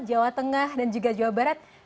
jawa tengah dan juga jawa barat